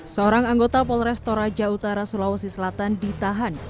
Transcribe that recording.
seorang anggota polresto raja utara sulawesi selatan ditahan